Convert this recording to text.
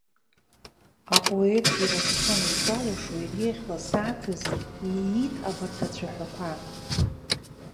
Апоет иразҟы аниҿалашо иреиӷьу асааҭаз иит абарҭ ацәаҳәақәа.